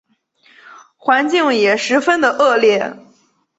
环境也十分的恶劣